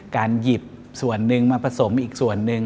การหยิบส่วนหนึ่งมาผสมอีกส่วนหนึ่ง